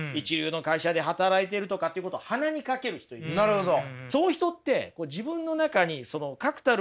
なるほど。